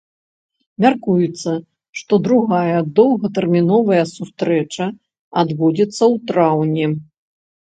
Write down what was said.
Мяркуецца, што другая доўгатэрміновая сустрэча адбудзецца ў траўні.